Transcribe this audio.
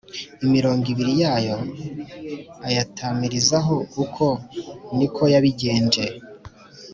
Imirongo ibiri yayo ayatamirizaho uko ni ko yabigenje